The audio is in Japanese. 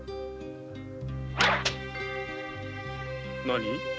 何？